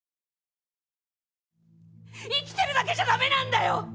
生きてるだけじゃダメなんだよ！